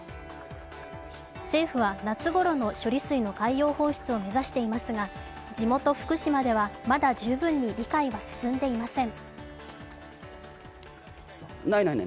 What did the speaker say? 政府は夏ごろの処理水の海洋放出を目指していますが地元・福島ではまだ十分に理解が進んでいません。